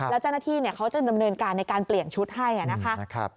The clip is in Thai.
แล้วเจ้าหน้าที่เขาจะดำเนินการในการเปลี่ยนชุดให้นะคะ